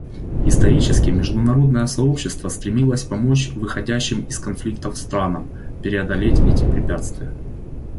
Исторически международное сообщество стремилось помочь выходящим из конфликтов странам преодолеть эти препятствия.